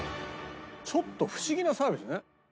ちょっと不思議なサービスね。